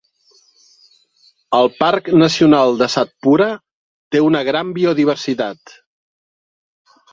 El Parc Nacional de Satpura té una gran biodiversitat.